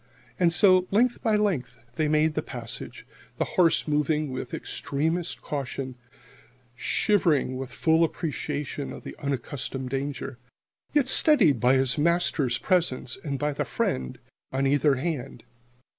And so, length by length, they made the passage, the horse moving with extremest caution, shivering with full appreciation of the unaccustomed danger, yet steadied by his master's presence and by the friend on either hand.